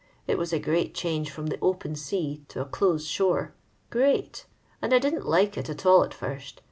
It was a great change from the open sea to a close shore — great; and I didn't like it at all at first.